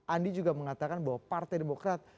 andi juga mengatakan bahwa partai demokrat